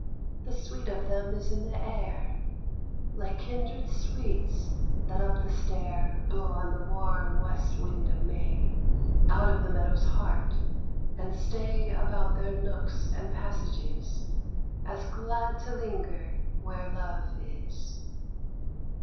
The sweet of them is in the air Like kindred sweets that up the stair Blow on the warm west wind of May Out of the meadow's heart and stay About their nooks and passages As glad to linger where love is.